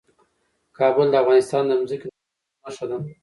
کابل د افغانستان د ځمکې د جوړښت نښه ده.